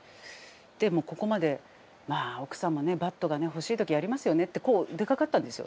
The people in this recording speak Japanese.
でもうここまでまあ奥さんもねバットがね欲しい時ありますよねってこう出かかったんですよ。